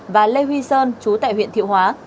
và lê huy sơn chú tại huyện thiệu hóa